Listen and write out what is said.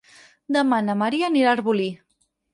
Demà na Maria anirà a Arbolí.